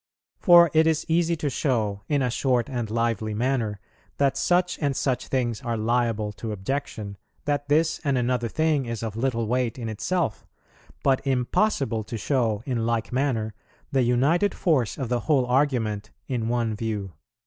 For it is easy to show, in a short and lively manner, that such and such things are liable to objection, that this and another thing is of little weight in itself; but impossible to show, in like manner, the united force of the whole argument in one view."